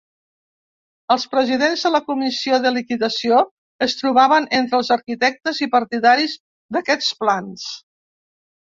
Els presidents de la Comissió de liquidació es trobaven entre els arquitectes i partidaris d'aquests plans.